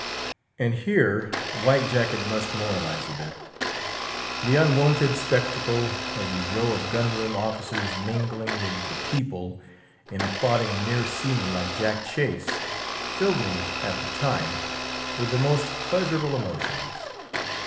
And here White jacket must moralize a bit. The unwonted spectacle of the row of gun room officers mingling with "the people" in applauding a mere seaman like Jack Chase, filled me at the time with the most pleasurable emotions.